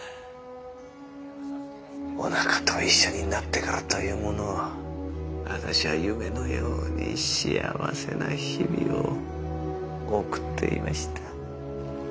おなかと一緒になってからというもの私は夢のように幸せな日々を送っていました。